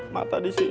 mata di sini tuh